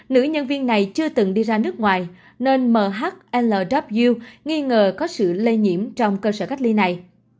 nữ nhân viên này chưa từng đi ra nước ngoài nên mhl nghi ngờ có sự lây nhiễm trong cơ sở cách ly này